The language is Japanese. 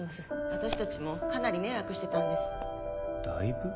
私達もかなり迷惑してたんですだいぶ？